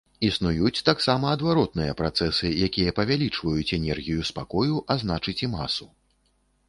Існуюць таксама адваротныя працэсы, якія павялічваюць энергію спакою, а значыць і масу.